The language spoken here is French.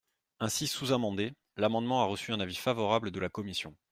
Ainsi sous-amendé, l’amendement a reçu un avis favorable de la commission.